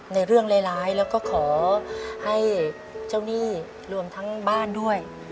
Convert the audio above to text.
ในเรื่องร้ายแล้วก็ขอให้เจ้าหนี้รวมทั้งบ้านด้วย